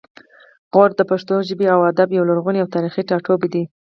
غور د پښتو ژبې او ادب یو لرغونی او تاریخي ټاټوبی دی